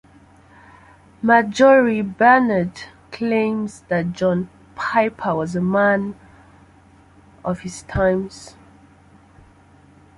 Marjorie Barnard claims that John Piper was a man of his times.